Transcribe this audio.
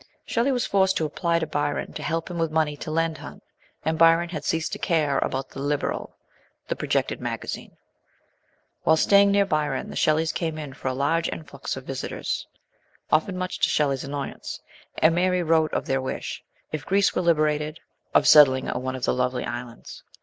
Shelley was forced to apply to Byron to help him with money to lend Hunt, and Byron had ceased to care about the Liberal, the projected magazine. While staying near Byron the Shelley s came in for a large influx of visitors, often much to Shelley's annoyance, and Mary wrote of their wish, if Greece were liberated, of settling in one of the lovely islands.